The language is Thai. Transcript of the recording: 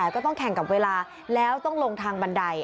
ก็ต้องแข่งกับเวลาแล้วต้องลงทางบันได